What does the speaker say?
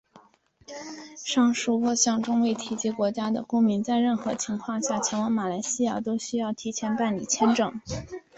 上述各项中未提及国家的公民在任何情况下前往马来西亚都需要提前办理签证。